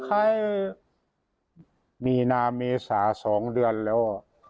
คล้ายมีนาเมษา๒เดือนแล้ว